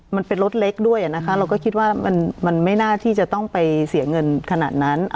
มันเป็นรถเล็กด้วยนะคะเราก็คิดว่ามันไม่น่าที่จะต้องไปเสียเงินขนาดนั้น